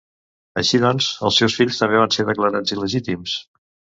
Així doncs, els seus fills també van ser declarats il·legítims.